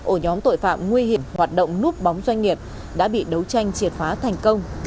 ổ nhóm tội phạm nguy hiểm hoạt động núp bóng doanh nghiệp đã bị đấu tranh triệt phá thành công